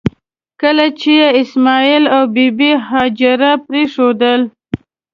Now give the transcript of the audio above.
کله چې یې اسماعیل او بي بي هاجره پرېښودل.